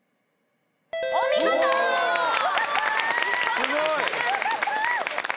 すごい！よかった！